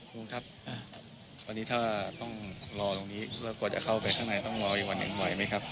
ไหนเธอโมงแต่เดี๋ยวด่าหล้อนเดี๋ยวฝนตก